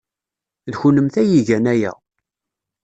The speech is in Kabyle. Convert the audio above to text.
D kennemti ay igan aya.